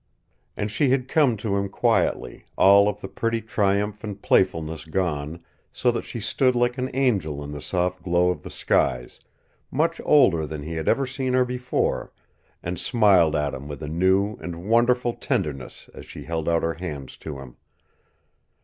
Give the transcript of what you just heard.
And she had come to him quietly, all of the pretty triumph and playfulness gone, so that she stood like an angel in the soft glow of the skies, much older than he had ever seen her before, and smiled at him with a new and wonderful tenderness as she held out her hands to him.